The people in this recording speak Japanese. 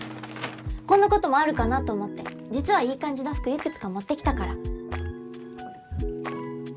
こんなこともあるかなと思って実はいい感じの服幾つか持ってきたから。